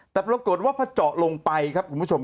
แต่ปรากฏว่าพอเจาะลงไปครับคุณผู้ชม